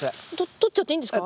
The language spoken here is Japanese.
取っちゃっていいんですか？